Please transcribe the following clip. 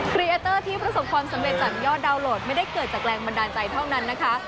รีเอเตอร์ที่ประสบความสำเร็จจากยอดดาวนโหลดไม่ได้เกิดจากแรงบันดาลใจเท่านั้นนะคะ